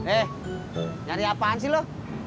eh nyari apaan sih loh